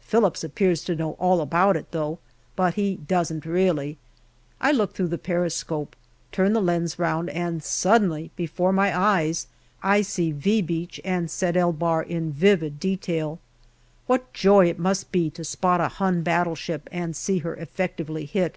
Phillips appears to know all about it though, but he doesn't really. I look through the periscope, turn the lens round, and suddenly before my eyes I see " V " Beach and Sed el Bahr in vivid detail. What joy it must be to spot a Hun battleship and see her effectively hit